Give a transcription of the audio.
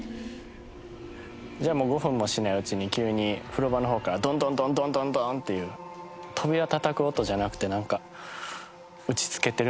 ５分もしないうちに急に風呂場の方からドンドンドンドンドンドンっていう扉たたく音じゃなくてなんか打ちつけてるみたいな。